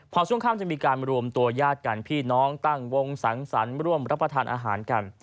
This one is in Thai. พอช่วงค่ำจะมีการรวมตัวญาติกันพี่น้องตั้งวงสังสรรค์ร่วมรับประทานอาหารกัน